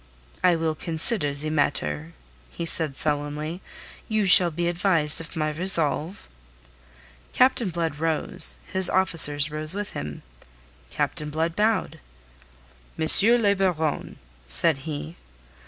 "I will consider the matter," he said sullenly. "You shall be advised of my resolve." Captain Blood rose, his officers rose with him. Captain Blood bowed. "M. le Baron!" said he.